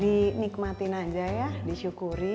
dinikmati aja ya disyukuri